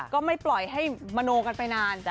ก็ไม่ปล่อยให้มโนกันไปนานจ้